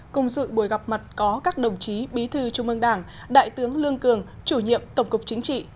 cùng dự buổi gặp mặt có các đồng chí bí thư trung ương đảng đại tướng lương cường chủ nhiệm tổng cục chính trị